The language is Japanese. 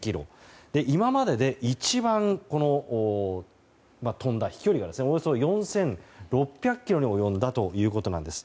今までで一番飛んだ飛距離がおよそ４６００ｋｍに及んだということです。